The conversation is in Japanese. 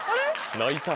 泣いた。